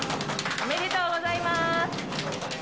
ありがとうございます。